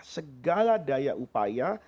segala daya upaya